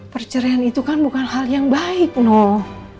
bercerai itu kan bukan hal yang baik noh